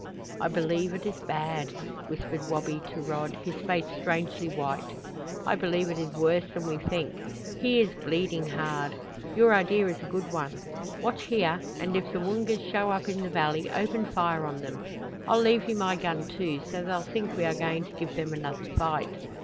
"I believe it is bad," whispered Wabi to Rod, his face strangely white. "I believe it is worse than we think. He is bleeding hard. Your idea is a good one. Watch here, and if the Woongas show up in the valley open fire on them. I'll leave you my gun, too, so they'll think we are going to give them another fight.